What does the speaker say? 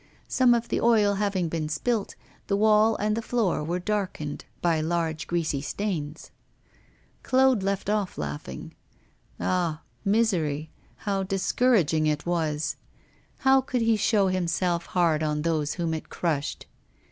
Some of the oil having been spilt, the wall and the floor were darkened by large greasy stains. Claude left off laughing. Ah! misery, how discouraging it was! how could he show himself hard on those whom it crushed?